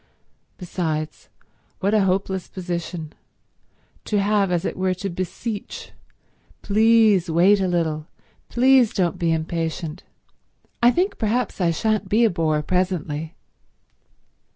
Besides, what a hopeless position, to have as it were to beseech: Please wait a little—please don't be impatient—I think perhaps I shan't be a bore presently.